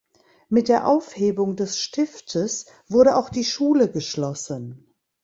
Mit der Aufhebung des Stiftes wurde auch die Schule geschlossen.